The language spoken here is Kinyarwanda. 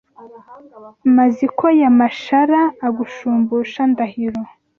Maziko ya Mashara Agushumbusha Ndahiro